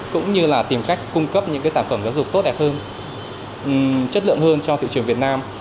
cũng như là tìm cách cung cấp những sản phẩm giáo dục tốt đẹp hơn chất lượng hơn cho thị trường việt nam